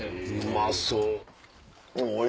うまそう。